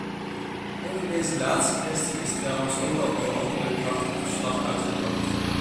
Over deze laatste kwestie is trouwens ook al door andere krachten verslag uitgebracht.